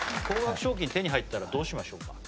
高額賞金手に入ったらどうしましょうか？